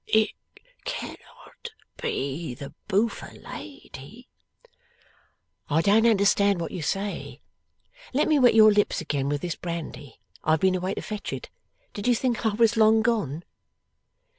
'It cannot be the boofer lady?' 'I don't understand what you say. Let me wet your lips again with this brandy. I have been away to fetch it. Did you think that I was long gone?